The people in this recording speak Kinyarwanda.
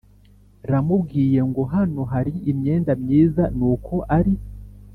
ramubwiye ngo hano hari imyenda myiza nuko ari